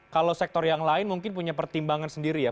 kalau sektor yang lain mungkin punya pertimbangan sendiri ya